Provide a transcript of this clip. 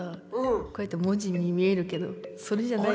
こうやって文字に見えるけどそれじゃない？